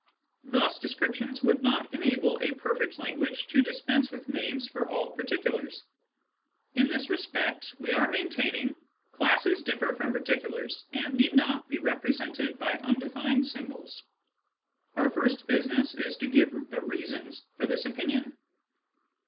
Thus descriptions would not enable a perfect language to dispense with names for all particulars. In this respect, we are maintaining, classes differ from particulars, and need not be represented by undefined symbols. Our first business is to give the reasons for this opinion.